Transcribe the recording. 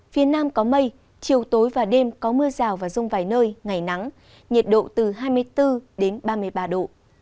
phía nam có mây chiều tối và đêm có mưa rào và rông vài nơi ngày nắng nhiệt độ từ hai mươi bốn đến ba mươi ba độ